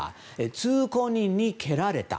通行人に蹴られた。